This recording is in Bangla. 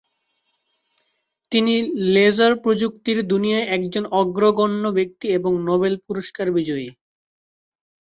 তিনি লেসার প্রযুক্তির দুনিয়ায় একজন অগ্রগণ্য ব্যক্তি এবং নোবেল পুরস্কার বিজয়ী।